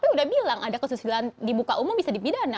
sudah bilang ada kesusilaan di buka umum bisa dipidana